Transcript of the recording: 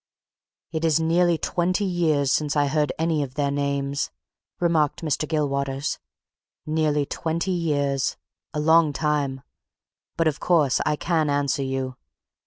"It is nearly twenty years since I heard any of their names," remarked Mr. Gilwaters. "Nearly twenty years a long time! But, of course, I can answer you.